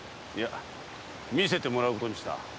いや見せてもらうことにした。